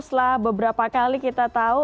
setelah beberapa kali kita tahu